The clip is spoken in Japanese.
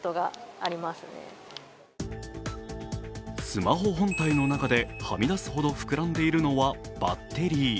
スマホ本体の中ではみ出すほど膨らんでいるのはバッテリー。